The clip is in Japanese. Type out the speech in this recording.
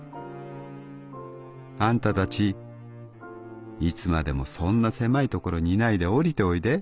『あんたたちいつまでもそんな狭い所にいないで降りておいで』」。